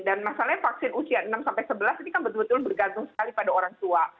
dan masalahnya vaksin usia enam sebelas ini kan betul betul bergantung sekali pada orang tua